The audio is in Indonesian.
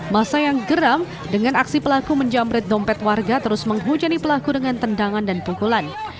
masa yang geram dengan aksi pelaku menjamret dompet warga terus menghujani pelaku dengan tendangan dan pukulan